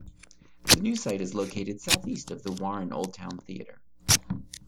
The new site is located southeast of the Warren Old Town Theater.